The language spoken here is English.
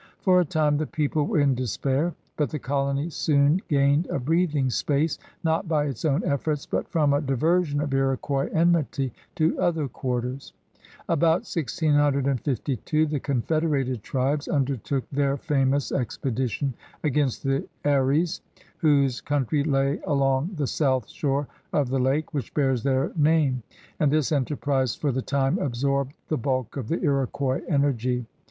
For a time the people were in deq>air, but the colony soon gained a breathing q>ace, not by its own efforts, but from a diversion of Iroquois enmity to other quarters. About 1652 the confederated tribes undertook their famous expedition against the Eries, whose country lay along the south shore of the lake which bears their name, and this enterprise for the time absorbed the bulk of the Iroquois energy.